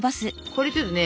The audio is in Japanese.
これちょっとね